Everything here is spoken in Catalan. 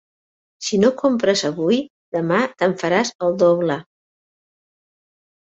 Si no ho compres avui, demà te'n faràs el doble.